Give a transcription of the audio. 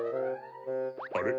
あれ？